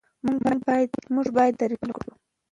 موږ باید دا طریقه خپله کړو.